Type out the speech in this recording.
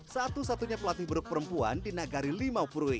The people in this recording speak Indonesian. satu satunya pelatih beruk perempuan di nagari limau purwik